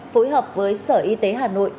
phối hợp với sở y tế hà nội